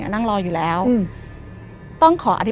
เดินล่างป๊าทู่ประมาณ๔๐ไร่